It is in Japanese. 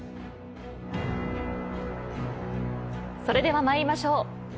それでは参りましょう。